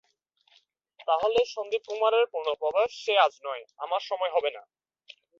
তা হলে সন্দীপকুমারের পুনঃপ্রবেশ– সে আজ নয়, আমার সময় হবে না।